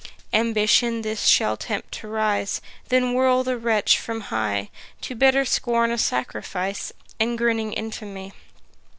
Ambition this shall tempt to rise, Then whirl the wretch from high, To bitter Scorn a sacrifice, And grinning Infamy.